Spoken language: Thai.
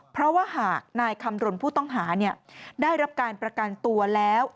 เพราะว่าหากนายคำรณผู้ต้องหาได้รับการประกันตัวแล้ว